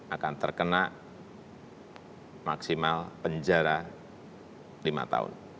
akan terkena maksimal penjara lima tahun